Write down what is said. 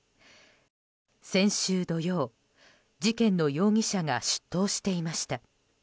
先週土曜、事件の容疑者が出頭していました。